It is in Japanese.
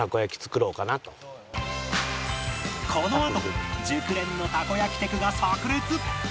このあと熟練のたこ焼きテクが炸裂